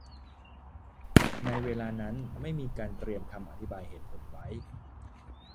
ในเวลานั้นไม่มีการเตรียมคำอธิบายเหตุผลไว้